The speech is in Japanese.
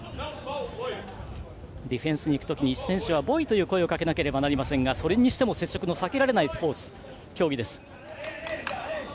ディフェンスにいくときに選手はボイという声をかけなければなりませんがそれにしても接触の避けられない競技です。